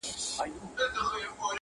حيوان څه چي د انسان بلا د ځان دي!.